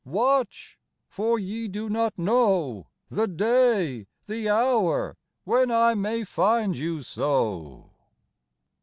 Watch ! for ye do not know The day, the hour, when I may find you so."